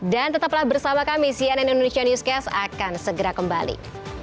dan tetaplah bersama kami cnn indonesia newscast akan segera kembali